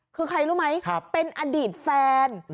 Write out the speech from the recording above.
คือใครรู้ไหมเป็นอดีตแฟน